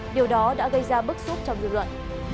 điều đó đã gây ra bức xúc trong dư luận